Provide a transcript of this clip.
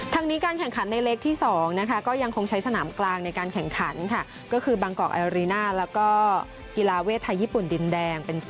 ทางนี้การแข่งขันในเล็กที่๒นะคะก็ยังคงใช้สนามกลางในการแข่งขันค่ะ